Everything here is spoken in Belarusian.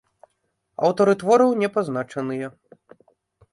Аўтары твораў не пазначаныя.